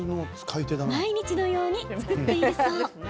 毎日のように作っているそう。